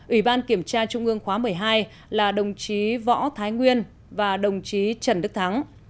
ủy ban kiểm tra trung ương khóa một mươi hai là đồng chí võ thái nguyên và đồng chí trần đức thắng